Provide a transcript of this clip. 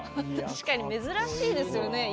確かに珍しいですよね。